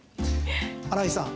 荒井さん